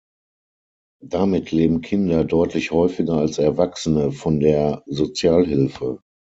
Damit leben Kinder deutlich häufiger als Erwachsene von der Sozialhilfe.